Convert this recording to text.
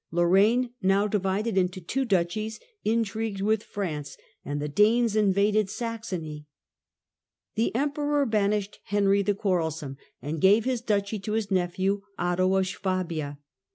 Lorraine, now divided into two duchies, in trigued with France, and the Danes invaded Saxony. The Emperor banished Henry the Quarrelsome, and gave his duchy to his own nephew, Otto of Swabia.